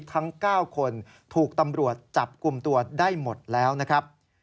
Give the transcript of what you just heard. ทั้ง๙คนถูกตำรวจจับกลุ่มตัวได้หมดแล้วนะครับ